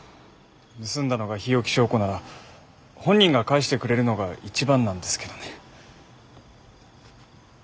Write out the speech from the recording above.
盗んだのが日置昭子なら本人が返してくれるのが一番なんですけどね。